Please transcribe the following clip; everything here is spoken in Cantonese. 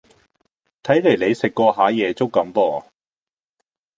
睇黎你食過下夜粥咁噃